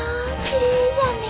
きれいじゃね！